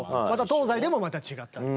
東西でもまた違ったり。